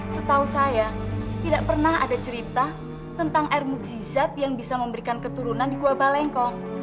setahu saya tidak pernah ada cerita tentang air mukjizat yang bisa memberikan keturunan di gua balengkong